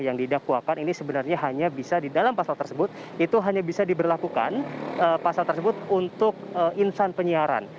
yang didakwakan ini sebenarnya hanya bisa di dalam pasal tersebut itu hanya bisa diberlakukan pasal tersebut untuk insan penyiaran